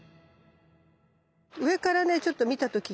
上からねちょっと見た時にさ